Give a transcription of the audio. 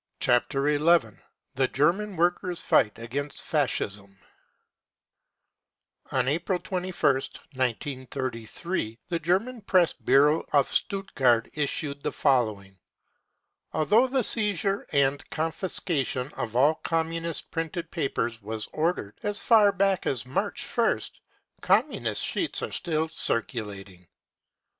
Chapter XI: THE GERMAN WORKERS' FIGHT AGAINST FASCISM O n April 2 ist, 1933, the police press bureau in Stutt gart issued the following : 5 " Although the seizure and confiscation of all Communist printed papers was ordered as far back as March ist, Communist sheets are still circulating